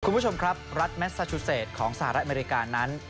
คุณผู้ชมครับรัฐแมสซาชูเศษของสหรัฐอเมริกานั้น